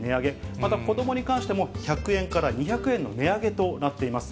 また子どもに関しても１００円から２００円の値上げとなっています。